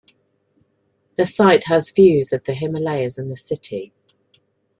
The site has views of the Himalayas and the city.